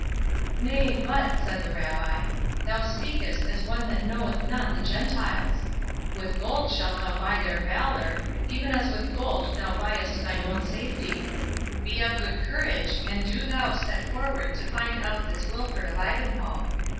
"Nay, but," said the Rabbi, "thou speakest as one that knoweth not the Gentiles. With gold shalt thou buy their valour, even as with gold thou buyest thine own safety. Be of good courage, and do thou set forward to find out this Wilfred of Ivanhoe.